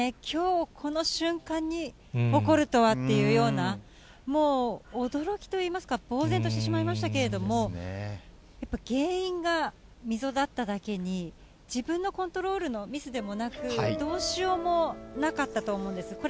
きょうこの瞬間に起こるとはっていうような、もう驚きといいますか、ぼう然としてしまいましたけれども、やっぱり原因が溝だっただけに、自分のコントロールのミスでもなく、どうしようもなかったと思うんです。